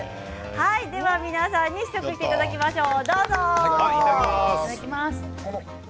皆さんに試食していただきましょう。